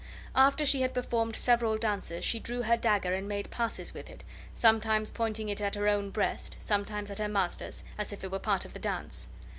After she had performed several dances she drew her dagger and made passes with it, sometimes pointing it at her own breast, sometimes at her master's, as if it were part of the dance.